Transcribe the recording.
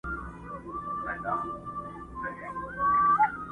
ستا په کوڅه کي له اغیار سره مي نه لګیږي!